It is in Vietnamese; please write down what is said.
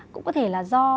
cũng có thể là do